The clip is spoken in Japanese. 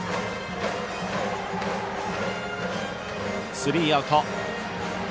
スリーアウト。